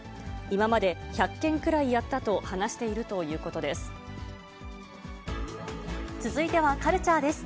今まで１００件くらいやったと話しているということです。